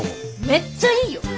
めっちゃいいよ。